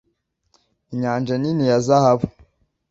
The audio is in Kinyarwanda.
Inyanja nini ya zahabu